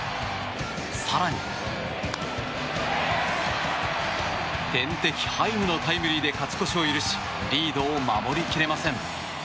更に、天敵ハイムのタイムリーで勝ち越しを許しリードを守り切れません。